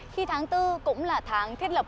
khi tháng bốn cũng là tháng thiết lập